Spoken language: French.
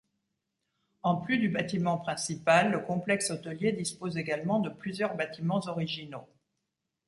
En plus du bâtiment principal, le complexe hôtelier dispose également de plusieurs bâtiments originaux.